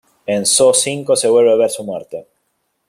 En Saw V se vuelve a ver su muerte.